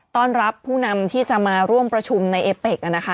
ต้อนรับผู้นำที่จะมาร่วมประชุมในเอเป็ก